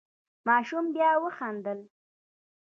ماشوم بیا وخندل.